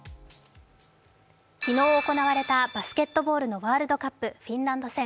昨日行われたバスケットボールのワールドカップフィンランド戦。